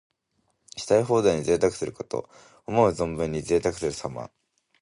したい放題に贅沢すること。思う存分にぜいたくするさま。